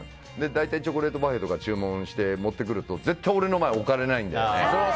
大体チョコレートパフェとか注文して持ってくると、絶対に俺の前に置かれないんだよね。